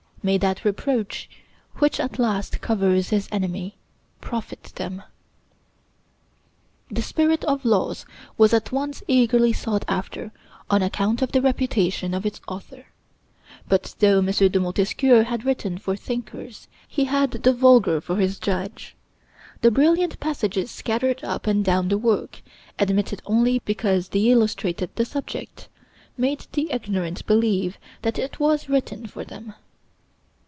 May that reproach, which at last covers his enemies, profit them! The 'Spirit of Laws' was at once eagerly sought after on account of the reputation of its author; but though M. de Montesquieu had written for thinkers, he had the vulgar for his judge. The brilliant passages scattered up and down the work, admitted only because they illustrated the subject, made the ignorant believe that it was written for them.